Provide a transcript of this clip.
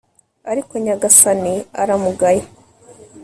ariko nyagasani aramugaya